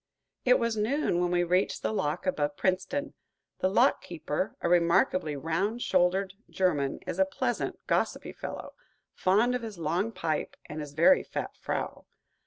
It was noon when we reached the lock above Princeton. The lock keeper, a remarkably round shouldered German, is a pleasant, gossipy fellow, fond of his long pipe and his very fat frau.